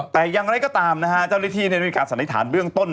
แต่อย่างไรก็ตามเจ้าลิธีมีการสันนิษฐานเรื่องต้น